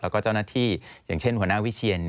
แล้วก็เจ้าหน้าที่อย่างเช่นหัวหน้าวิเชียน